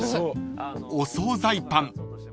［お総菜パン